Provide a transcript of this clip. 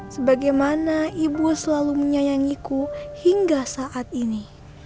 sebagaimana ibu selalu menyayangiku hingga saat ini